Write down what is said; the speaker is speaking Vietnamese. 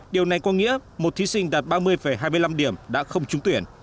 điều này có nghĩa một thí sinh đạt ba mươi hai mươi năm điểm đã không trúng tuyển